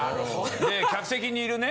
で客席にいるね